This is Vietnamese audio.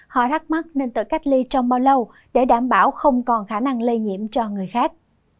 họ thắc mắc nên tự cách ly trong bao lâu để đảm bảo không còn khả năng lây nhiễm cho người khác